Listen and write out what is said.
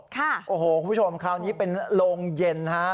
คุณผู้ชมคราวนี้เป็นโรงเย็นฮะ